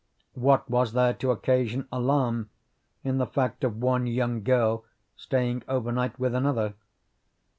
What was there to occasion alarm in the fact of one young girl staying overnight with another?